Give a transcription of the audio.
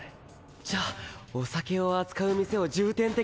じゃお酒を扱う店を重点的に捜せば！